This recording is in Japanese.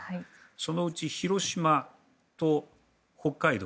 そのうち広島と北海道